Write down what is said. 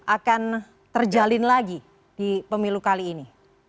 akan terjalin lagi di pemilu kali ini